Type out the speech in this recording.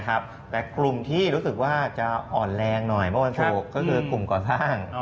แต่กลุ่มที่รู้สึกว่าจะอ่อนแรงหน่อยเมื่อวันศุกร์ก็คือกลุ่มก่อสร้าง